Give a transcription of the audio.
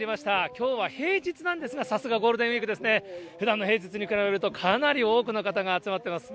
きょうは平日なんですが、さすがゴールデンウィークですね、ふだんの平日に比べると、かなり多くの方が集まってます。